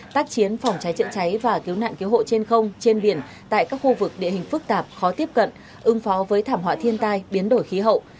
tác chiến phòng cháy chữa cháy và cứu nạn cứu hộ trên không trên biển tại các khu vực địa hình phức tạp khó tiếp cận ứng phó với thảm họa thiên tai biến đổi khí hậu